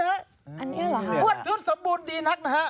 อันนี้เหรอคะงวดชุดสมบูรณ์ดีนักนะฮะ